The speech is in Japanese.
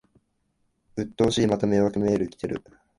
うっとうしい、また迷惑メール来てる